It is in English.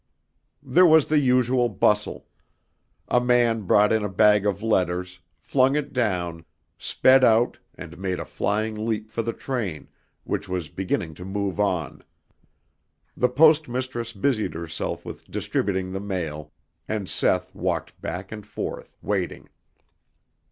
There was the usual bustle. A man brought in a bag of letters, flung it down, sped out and made a flying leap for the train, which was beginning to move on. The Post Mistress busied herself with distributing the mail and Seth walked back and forth, waiting.